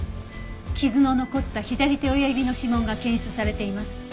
傷の残った左手親指の指紋が検出されています。